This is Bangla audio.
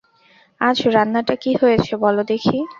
আজ রান্নাটা কী হয়েছে বলো দেখি।